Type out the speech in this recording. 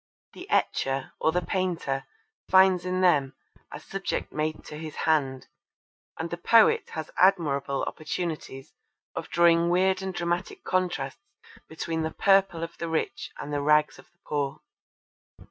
The etcher or the painter finds in them 'a subject made to his hand,' and the poet has admirable opportunities of drawing weird and dramatic contrasts between the purple of the rich and the rags of the poor.